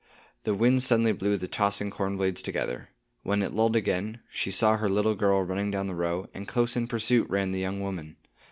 The wind suddenly blew the tossing corn blades together. When it lulled again, she saw her little girl running down the row, and close in pursuit ran the young woman.